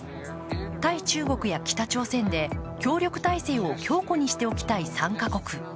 対中国や北朝鮮で、協力体制を強固にしておきたい３か国。